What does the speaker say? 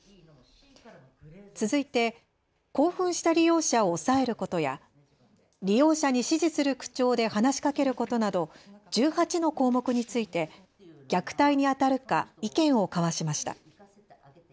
続いて、興奮した利用者を押さえることや利用者に指示する口調で話しかけることなど１８の項目について虐待にあたるか意見を交わしました。